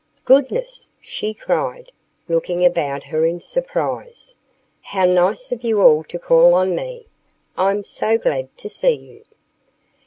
"Goodness!" she cried, looking about her in surprise. "How nice of you all to call on me! I'm so glad to see you!"